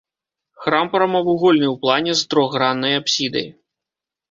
Храм прамавугольны ў плане, з трохграннай апсідай.